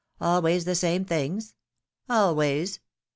^'Always the same things ?" Always."